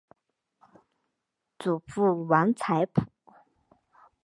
祖父王才甫。